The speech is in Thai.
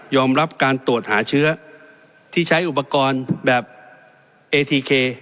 รับการตรวจหาเชื้อที่ใช้อุปกรณ์แบบเอทีเค